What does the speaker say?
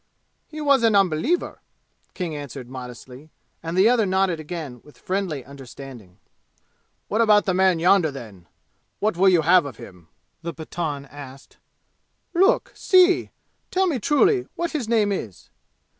"He was an unbeliever," King answered modestly, and the other nodded again with friendly understanding. "What about the man yonder, then?" the Pathan asked. "What will you have of him?" "Look! See! Tell me truly what his name is!"